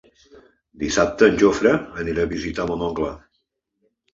Dissabte en Jofre anirà a visitar mon oncle.